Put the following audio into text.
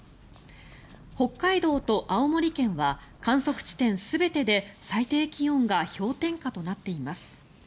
北海道と青森県は観測地点全てで最低気温が氷点下となっています。